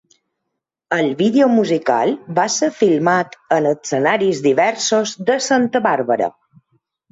El vídeo musical va ser filmat en escenaris diversos de Santa Bàrbara.